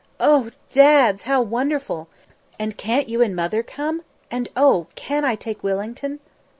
"Oh, Dads how wonderful! And can't you and Mother come? And oh! can I take Wellington?"